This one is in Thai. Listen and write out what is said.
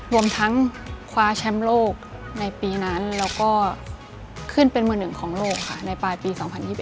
รวมทั้งคว้าแชมป์โลกในปีนั้นแล้วก็ขึ้นเป็นมือหนึ่งของโลกค่ะในปลายปี๒๐๒๑